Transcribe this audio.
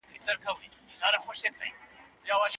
موږ دا مهال د خلګو سره مرسته کوو.